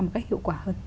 một cách hiệu quả hơn